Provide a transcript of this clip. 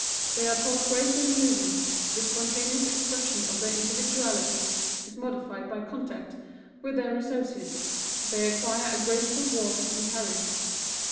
They are taught grace of movement; the spontaneous expression of their individuality is modified by contact with their associates; they acquire a graceful walk and carriage.